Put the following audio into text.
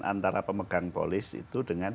antara pemegang polis itu dengan